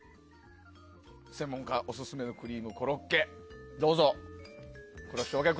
専門家オススメのクリームコロッケ、どうぞ。